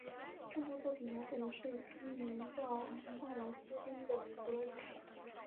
这部作品描写的是一名名叫塞莱丝汀的女仆的日记。